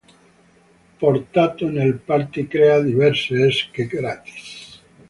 Portato nel party crea diverse esche gratis.